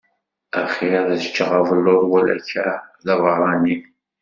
Axir ad ččeɣ abelluḍ wala akka d abeṛṛani.